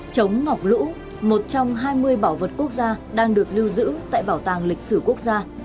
chống ngọc lũ một trong hai mươi bảo vật quốc gia đang được lưu giữ tại bảo tàng lịch sử quốc gia